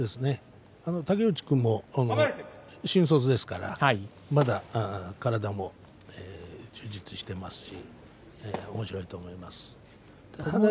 竹内君も新卒ですからまだ体も充実していますしおもしろいと思います。